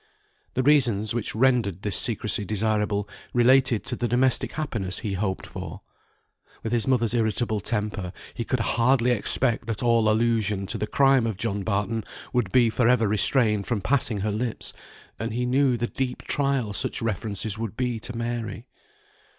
The reasons which rendered this secrecy desirable related to the domestic happiness he hoped for. With his mother's irritable temper he could hardly expect that all allusion to the crime of John Barton would be for ever restrained from passing her lips, and he knew the deep trial such references would be to Mary.